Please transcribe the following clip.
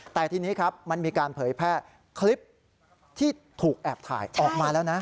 แต่ทีนี้ครับมันมีการเผยแพร่คลิปที่ถูกแอบถ่ายออกมาแล้วนะ